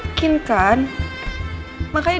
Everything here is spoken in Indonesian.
buat ngebahas kehamilannya mbak endin